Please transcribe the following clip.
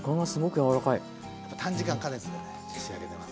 やっぱ短時間加熱でね仕上げてます。